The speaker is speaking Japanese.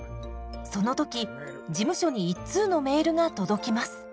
その時事務所に一通のメールが届きます。